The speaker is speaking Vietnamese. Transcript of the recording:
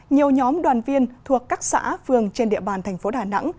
nhiều nhóm đoàn viên thuộc các xã phường trên địa bàn thành phố đà nẵng